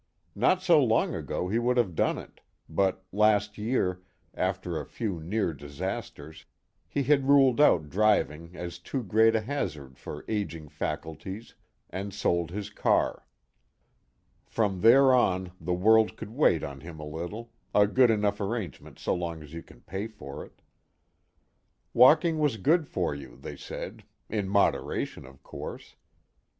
Not so long ago he would have done it, but last year, after a few near disasters, he had ruled out driving as too great a hazard for aging faculties, and sold his car: from there on the world could wait on him a little, a good enough arrangement so long as you can pay for it. Walking was good for you, they said in moderation, of course.